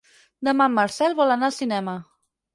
Demà en Marcel vol anar al cinema.